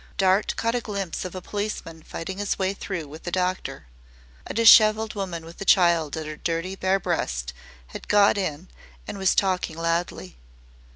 Dart caught a glimpse of a policeman fighting his way through with a doctor. A dishevelled woman with a child at her dirty, bare breast had got in and was talking loudly.